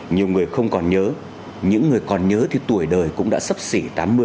nhiều người không còn nhớ những người còn nhớ thì tuổi đời cũng đã sấp xỉ tám mươi